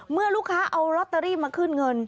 เมื่อลูกค้าเอาลอตเตอรี่มาขึ้นเงิน